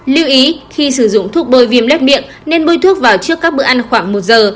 lưu ý khi sử dụng thuốc bôi viêm lết miệng nên bơi thuốc vào trước các bữa ăn khoảng một giờ